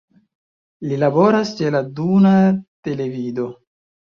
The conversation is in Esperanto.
Li laboras ĉe la Duna Televido.